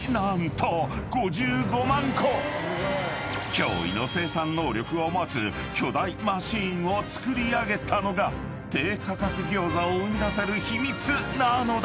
［驚異の生産能力を持つ巨大マシンを造り上げたのが低価格餃子を生み出せる秘密なのだ］